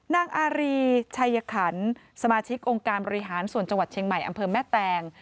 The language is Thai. นางอารีชัยขันสมาชิกองค์การบริหารส่วนจังหวัดเชียงใหม่อำเภอแม่แตง